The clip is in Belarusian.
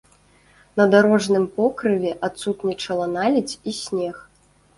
На дарожным покрыве адсутнічала наледзь і снег.